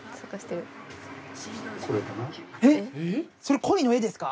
それコイの絵ですか？